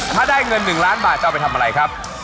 ถ้าได้เงิน๑ล้านบาทจะเอาไปทำอะไรครับ